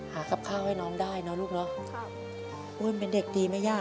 หาครับข้าวให้น้องได้เนอะลูกเนอะครับโอ้ยเป็นเด็กดีมั้ยย่า